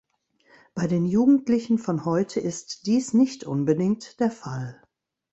Bei den Jugendlichen von heute ist dies nicht unbedingt der Fall.